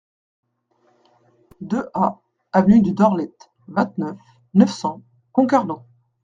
deux A avenue du Dorlett, vingt-neuf, neuf cents, Concarneau